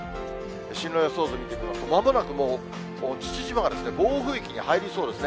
進路予想図を見てみますと、まもなく父島が暴風域に入りそうですね。